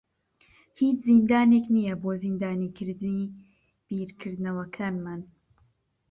هیچ زیندانێک نییە بۆ زیندانیکردنی بیرکردنەوەکانمان.